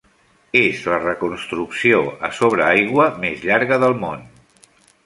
És la reconstrucció a sobre aigua més llarga del món.